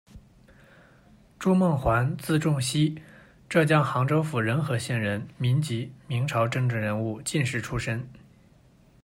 诸梦环，字仲希，浙江杭州府仁和县人，民籍，明朝政治人物、进士出身。